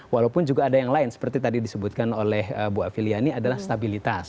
walaupun juga ada yang lain seperti tadi disebutkan oleh bu afiliani adalah stabilitas